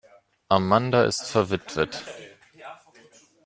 Amanda ist verwitwet.